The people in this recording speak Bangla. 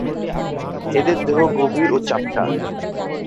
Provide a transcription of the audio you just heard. এদের দেহ গভীর ও চাপা।